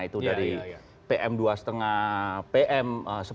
itu dari pm dua lima pm sepuluh